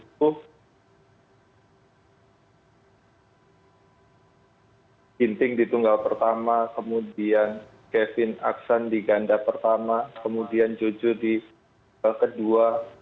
itu ginting di tunggal pertama kemudian kevin aksan di ganda pertama kemudian jojo di kedua